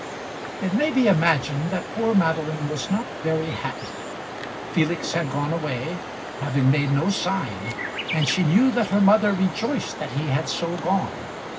It may be imagined that poor Madeline was not very happy. Felix had gone away, having made no sign, and she knew that her mother rejoiced that he had so gone.